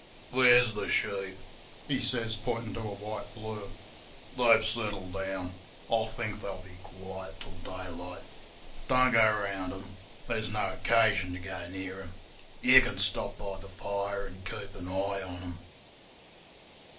'There's the sheep,' he says, pointing to a white blur. 'They've settled down. I think they'll be quiet till daylight. Don't go round them; there's no occasion to go near 'em. You can stop by the fire and keep an eye on 'em.